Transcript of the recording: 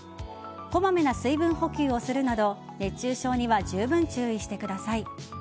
こまめな水分補給をするなど熱中症にはじゅうぶん注意してください。